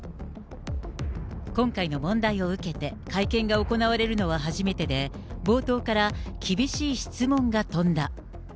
今回の問題を受けて、会見が行われるのは初めてで、冒頭から厳しい質問が飛んだ。